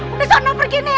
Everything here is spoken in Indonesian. udah sana pergi nih